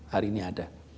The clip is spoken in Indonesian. hari ini ada